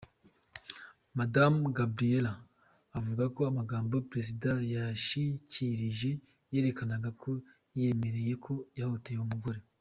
Madamu Gabriela avuga ko amajambo Perezida yashikirije yerekana ko yiyemereye ko yahohoteye uwo mugore.